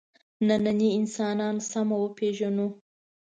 نننی انسان سمه وپېژنو.